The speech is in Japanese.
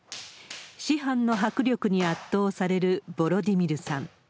師範の迫力に圧倒されるヴォロディミルさん。